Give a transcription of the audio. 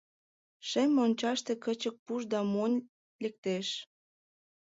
— Шем мончаште кычык пуш да монь лектеш.